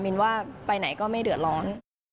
นว่าไปไหนก็ไม่เดือดร้อน